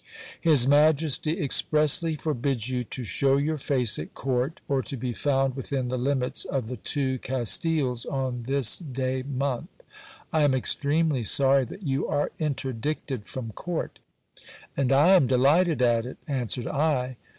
His majesty expressly forbids you to shew your face at court, or to be found within the limits of the two Castiles on this day month. I am extremely sorry that you are interdicted from court. And I am delighted at it, answered I.